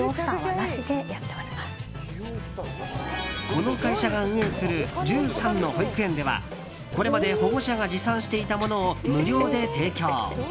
この会社が運営する１３の保育園ではこれまで保護者が持参していたものを無料で提供。